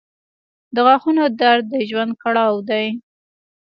• د غاښونو درد د ژوند کړاو دی.